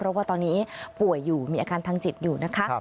เพราะว่าตอนนี้ป่วยอยู่มีอาการทางจิตอยู่นะคะ